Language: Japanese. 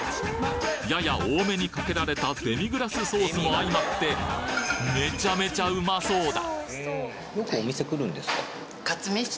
やや多めにかけられたデミグラスソースも相まってめちゃめちゃうまそうだ！